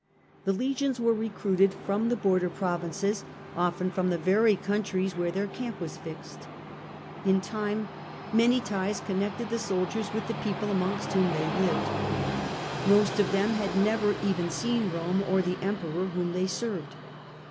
The legions were recruited legions from the border provinces, often from the very countries where their camp was fixed, distant In time many ties connected the soldiers Provinces with the peoples amongst whom they lived. Most of them had never even seen Rome or the Emperor whom they served.